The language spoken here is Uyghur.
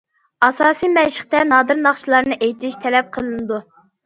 ئاساسىي مەشىقتە نادىر ناخشىلارنى ئېيتىش تەلەپ قىلىنىدۇ.